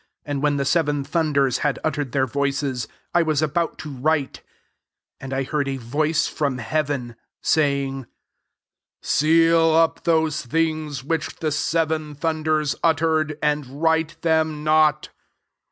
4 And when the seven thunders had uttered their voicesy 1 was about to write : and I heard a voice from heaven, saying, ^ Seal up those things which the seven thunders uttered, and write them not.''